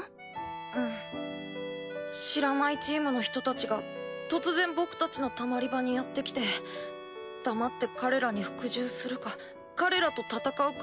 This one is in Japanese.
ウン知らないチームの人達が突然僕達のたまり場にやって来て黙って彼らに服従するか彼らと戦うか選べって。